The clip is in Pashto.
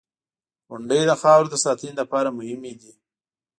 • غونډۍ د خاورو د ساتنې لپاره مهمې دي.